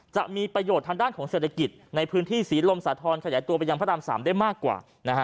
จะมีประโยชน์ทางด้านของเศรษฐกิจในพื้นที่ศรีลมสาธรณ์ขยายตัวไปยังพระราม๓ได้มากกว่า